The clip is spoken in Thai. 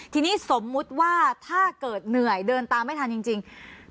ทีนี้สมมุติว่าถ้าเกิดเหนื่อยเดินตามไม่ทันจริง